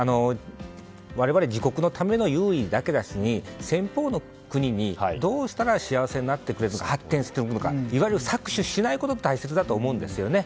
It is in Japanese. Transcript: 我々自国のためだけではなくて先方の国にどうしたら幸せになって発展してくれるか、いわゆる搾取しないことが大切だと思うんですね。